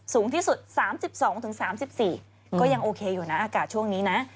สูงที่สุด๓๒๓๔ก็ยังโอเคอยู่นะอากาศช่วงนี้นะ